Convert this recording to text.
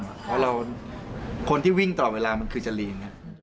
เพราะคนที่วิ่งตลอดเวลามันคือจะลีน